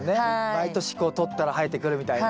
毎年とったら生えてくるみたいな。